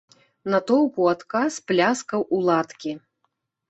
Натоўп у адказ пляскаў у ладкі.